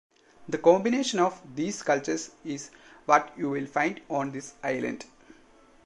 The combination of these cultures is what you will find on this island.